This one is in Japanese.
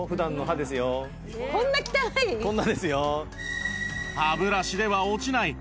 こんなですよ。